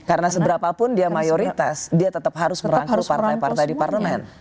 karena seberapapun dia mayoritas dia tetap harus merangkul partai partai di parlemen